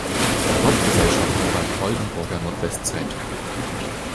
Hauptgesellschafter war die Oldenburger Nordwest-Zeitung.